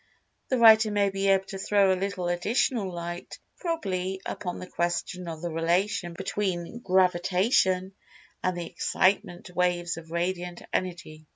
The writer may be able to throw a little additional light, probably, upon the question of the relation between Gravitation, and the Excitement waves of Radiant Energy.